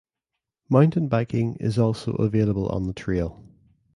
Mountain biking is also available on the trail.